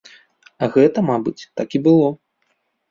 А гэта, мабыць, так і было.